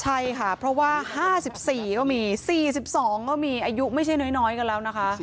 ใช่ค่ะเพราะว่า๕๔ก็มี๔๒ก็มีอายุไม่ใช่น้อยกันแล้วนะคะ